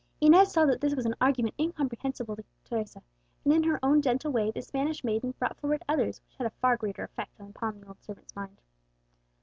Inez saw that this was an argument incomprehensible to Teresa, and in her own gentle way the Spanish maiden brought forward others which had a far greater effect upon the old servant's mind.